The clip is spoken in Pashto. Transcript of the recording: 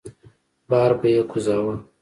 بار به يې کوزاوه.